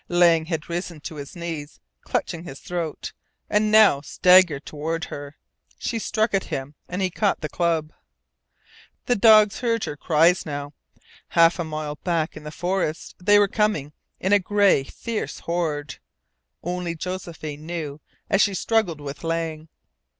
Lang had risen to his knees, clutching his throat, and now staggered toward her. She struck at him, and he caught the club. The dogs heard her cries now. Half a mile back in the forest they were coming in a gray, fierce horde. Only Josephine knew, as she struggled with Lang.